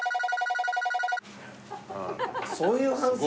そういう反省？